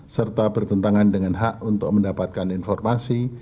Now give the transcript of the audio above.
serta bertentangan dengan hak untuk mendapatkan informasi